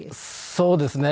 そうですね。